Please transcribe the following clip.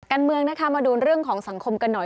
การเมืองนะคะมาดูเรื่องของสังคมกันหน่อย